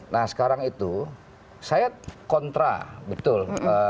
nah sekarang itu saya kontra betul